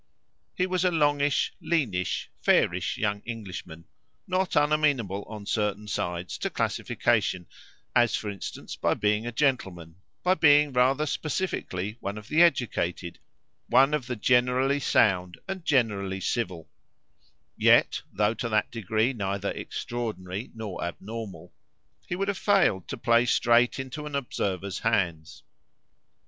He was a longish, leanish, fairish young Englishman, not unamenable, on certain sides, to classification as for instance by being a gentleman, by being rather specifically one of the educated, one of the generally sound and generally civil; yet, though to that degree neither extraordinary nor abnormal, he would have failed to play straight into an observer's hands.